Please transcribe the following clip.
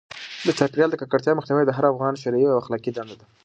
د چاپیریال د ککړتیا مخنیوی د هر افغان شرعي او اخلاقي دنده ده.